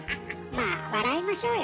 まあ笑いましょうよ。